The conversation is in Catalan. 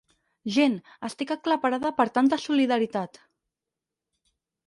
Gent, estic aclaparada per tanta solidaritat.